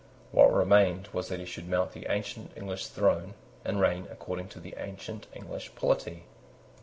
What remained was that he should mount the ancient English throne, and reign according to the ancient English polity.